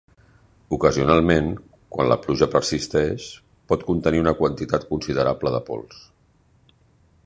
Ocasionalment, quan la pluja persisteix, pot contenir una quantitat considerable de pols.